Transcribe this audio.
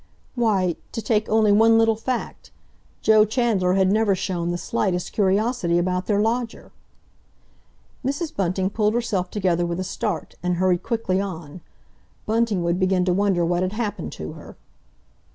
Why, to take only one little fact—Joe Chandler had never shown the slightest curiosity about their lodger. ... Mrs. Bunting pulled herself together with a start, and hurried quickly on. Bunting would begin to wonder what had happened to her.